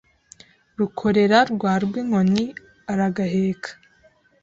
Rukorera rwa Rwinkoni aragaheka